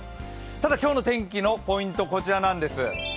ただ、今日の天気のポイントはこちらなんです。